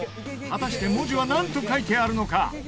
果たして文字はなんと書いてあるのか？